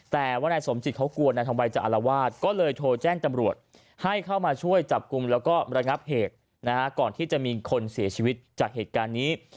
แต่ว่านายสมจิตเขากลัวนายทองใบจะอารวาสก็เลยโทรแจ้งตำรวจให้เข้ามาช่วยจับกลุ่มแล้วก็ระงับเหตุนะฮะก่อนที่จะมีคนเสียชีวิตจากเหตุการณ์นี้